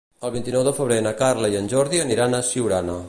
El vint-i-nou de febrer na Carla i en Jordi aniran a Siurana.